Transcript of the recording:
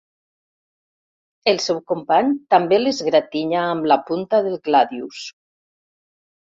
El seu company també l'esgratinya amb la punta del gladius.